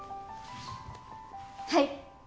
はい！